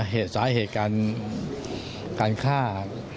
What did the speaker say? เหตุสาเหตุการณ์ฆ่า